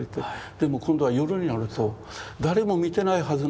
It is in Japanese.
でも今度は夜になると誰も見てないはずなの。